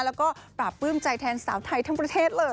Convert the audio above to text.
แล้วก็ปราบปลื้มใจแทนสาวไทยทั้งประเทศเลย